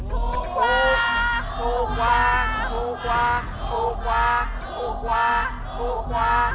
ถูกกว่าถูกกว่าถูกกว่าถูกกว่าถูกกว่าถูกกว่า